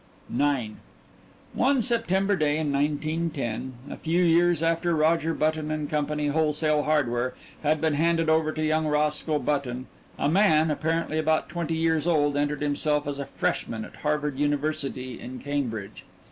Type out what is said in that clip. IX One September day in 1910 a few years after Roger Button & Co., Wholesale Hardware, had been handed over to young Roscoe Button a man, apparently about twenty years old, entered himself as a freshman at Harvard University in Cambridge.